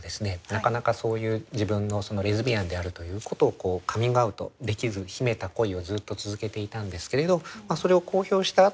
なかなかそういう自分のレズビアンであるということをカミングアウトできず秘めた恋をずっと続けていたんですけれどそれを公表したあとはですね